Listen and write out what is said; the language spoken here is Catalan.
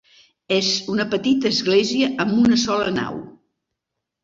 És una petita església amb una sola nau.